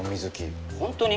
本当に？